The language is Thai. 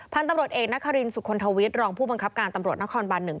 พันธุ์ตำรวจเอกนครินสุคลทวิทย์รองผู้บังคับการตำรวจนครบันหนึ่ง